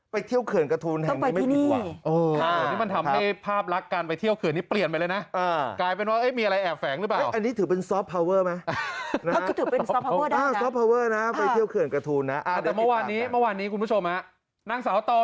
ไปเที่ยวกระทูลต้องไปที่นี่ค่ะนี่มันทำให้ภาพลักษณ์